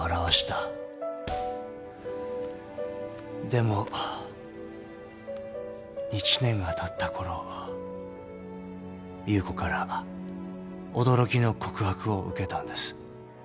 でも１年がたったころ優子から驚きの告白を受けたんです。